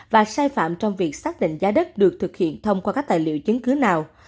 và sai phạm trong việc xác định giá đất được thực hiện thông qua các tài liệu chứng cứ nào